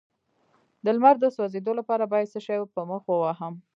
د لمر د سوځیدو لپاره باید څه شی په مخ ووهم؟